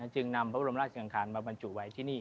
จึงนำพระรมราชศรีรางคารมาปราชิริงใหว้ที่นี่